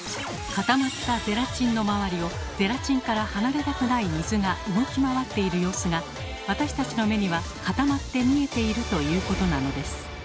固まったゼラチンの周りをゼラチンから離れたくない水が動き回っている様子が私たちの目には固まって見えているということなのです。